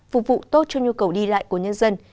phục vụ tốt cho nhu cầu đi lại của nhân dân